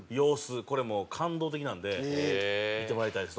これもう感動的なんで見てもらいたいです。